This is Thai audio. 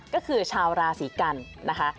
ก็คือชาวราศีกันนะคะ